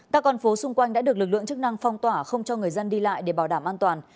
các con phố xung quanh đã được lực lượng chức năng phong tỏa không cho người dân đi lại để bảo đảm an toàn